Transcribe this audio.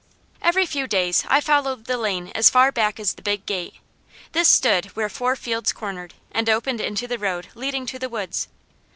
Every few days I followed the lane as far back as the Big Gate. This stood where four fields cornered, and opened into the road leading to the woods.